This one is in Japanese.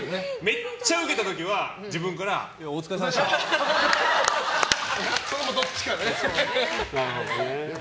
めっちゃウケた時は自分からそれのどっちかね。